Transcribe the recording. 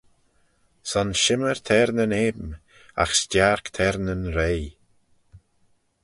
Son shimmey t'er nyn eam, agh s'tiark t'er nyn reih.